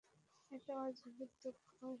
এটা অহেতুক কাজ।